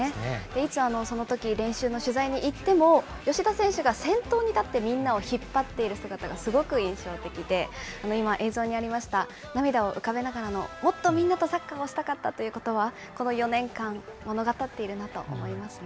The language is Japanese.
いつ、そのとき、練習の取材に行っても、吉田選手が先頭に立ってみんなを引っ張っている姿がすごく印象的で、今、映像にありました涙を浮かべながらの、もっとみんなとサッカーをしたかったということば、この４年間、物語っているなと思いますね。